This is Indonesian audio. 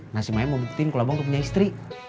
nah si maya mau buktiin kalau abang tuh punya istri